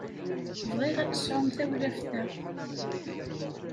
Bɣiɣ ad tesɛum tawlaft-a.